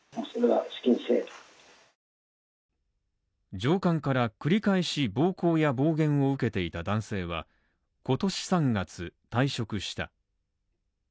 上官から繰り返し暴行や暴言を受けていた男性は、今年３月、退職した。